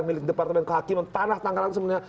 yang tanah tangerang sebenarnya